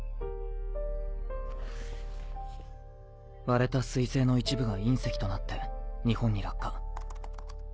割れた彗星の一部が隕石となって日本に落下。